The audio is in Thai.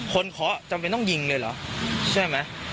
เคาะจำเป็นต้องยิงเลยเหรอใช่ไหม